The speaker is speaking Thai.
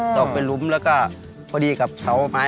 ตกเป็นหลุมแล้วก็พอดีกับเสาไม้